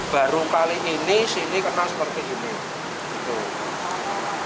baru kali ini sini kenal seperti ini